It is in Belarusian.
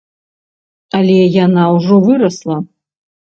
Але яна ўжо вырасла!